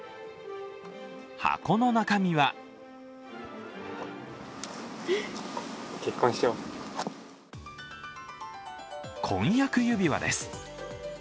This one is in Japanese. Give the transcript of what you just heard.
箱の中身は婚約指輪です。